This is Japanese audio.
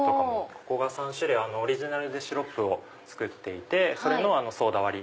ここが３種類オリジナルでシロップを作っていてそれのソーダ割り。